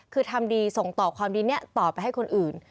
คือทำดีส่งต่อความดีนี้ต่อไปให้คนอื่น